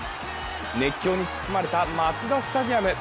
熱狂に包まれたマツダスタジアム。